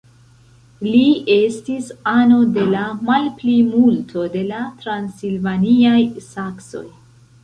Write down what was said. Li estis ano de la malplimulto de la transilvaniaj saksoj.